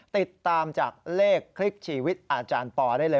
ติดตามจากเลขคลิกชีวิตอาจารย์ปอได้เลย